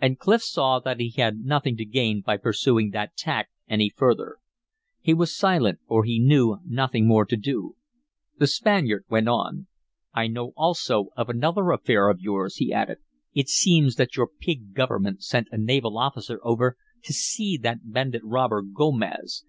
And Clif saw that he had nothing to gain by pursuing that tack any further; he was silent, for he knew nothing more to do. The Spaniard went on: "I know also of another affair of yours," he added. "It seems that your pig government sent a naval officer over to see that bandit robber Gomez.